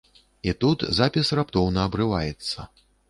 І тут запіс раптоўна абрываецца.